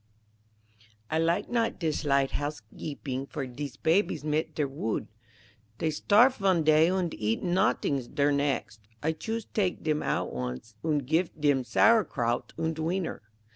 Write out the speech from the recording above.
"I like not dis light housegeeping for dese babies mit der wood. Dey starf von day und eat nottings der next. I choost take dem oud once und gif dem sauerkraut und wiener."